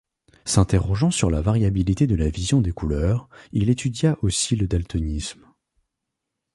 S'interrogeant sur la variabilité de la vision des couleurs, il étudia aussi le daltonisme.